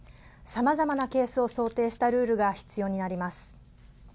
さまざまなケースを想定したルールが必要になります。